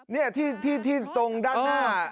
นี่ที่ตรงด้านหน้า